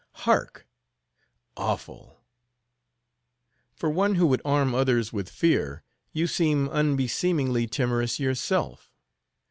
"Hark!—Awful!" "For one who would arm others with fear you seem unbeseemingly timorous yourself.